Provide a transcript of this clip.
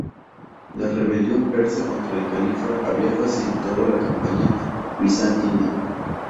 La rebelión persa contra el califa había facilitado la campaña bizantina.